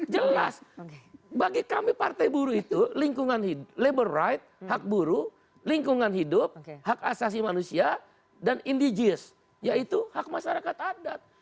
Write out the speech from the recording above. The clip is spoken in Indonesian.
jelas bagi kami partai buruh itu lingkungan labor right hak buru lingkungan hidup hak asasi manusia dan indiges yaitu hak masyarakat adat